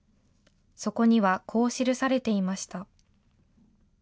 そこにはこう記されていました。